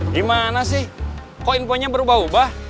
gimana sih kok info nya baru bau bau